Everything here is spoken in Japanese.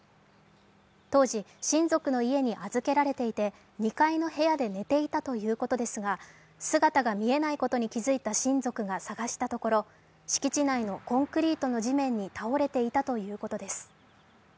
当時、親族の家に預けられていて、２階の部屋で寝ていたということですが、姿が見えないことに気付いた親族が探したところ敷地内のコンクリートの地面に倒れていたということです。